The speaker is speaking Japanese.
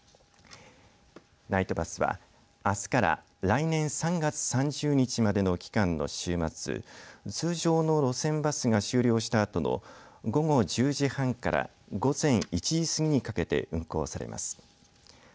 ナイトバスはあすから来年３月３０日までの期間の週末通常の路線バスが終了したあとの午後１０時半から午前１時過ぎにかけて運行されます。